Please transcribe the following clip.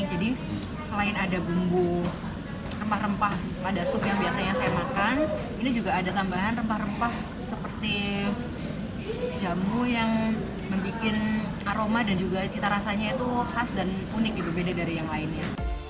jadi selain ada bumbu rempah rempah pada sup yang biasanya saya makan ini juga ada tambahan rempah rempah seperti jamu yang membuat aroma dan juga cita rasanya itu khas dan unik juga beda dari yang lainnya